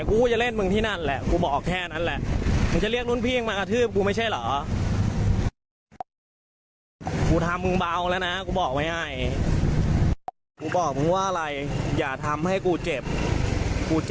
กูมาทุบกูกูไม่ทำคลิปหลอก